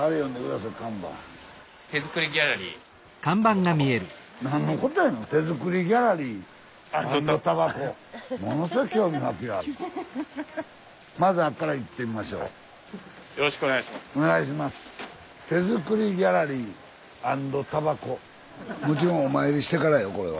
スタジオもちろんお参りしてからよこれは。